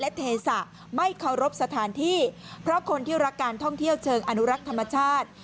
และเทศะไม่เคารพสถานที่เพราะคนที่รักการท่องเที่ยวเชิงอนุรักษ์ธรรมชาติ